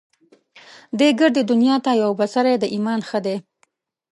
دې ګردې دنيا نه يو بڅری د ايمان ښه دی